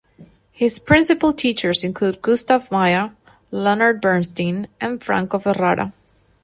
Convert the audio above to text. His principal teachers include Gustav Meier, Leonard Bernstein and Franco Ferrara.